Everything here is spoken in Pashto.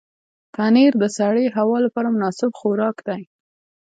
پنېر د سړې هوا لپاره مناسب خوراک دی.